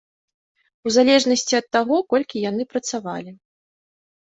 У залежнасці ад таго, колькі яны працавалі.